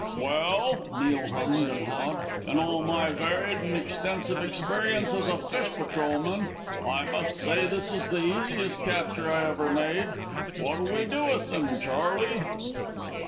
"Well," Neil hummed and hawed, "in all my varied and extensive experience as a fish patrolman, I must say this is the easiest capture I ever made. What'll we do with them, Charley?"